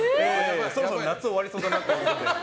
そろそろ夏終わりそうだなと思って。